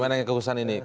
bagaimana kehususan ini